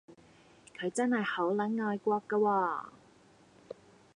佢真係好撚愛國㗎喎